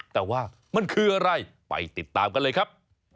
แต่ว่ามันคืออะไรไปติดตามกันเลยครับ